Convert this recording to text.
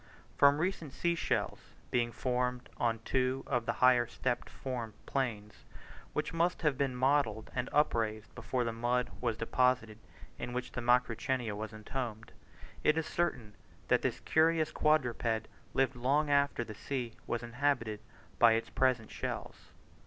From recent sea shells being found on two of the higher step formed plains, which must have been modelled and upraised before the mud was deposited in which the Macrauchenia was entombed, it is certain that this curious quadruped lived long after the sea was inhabited by its present shells.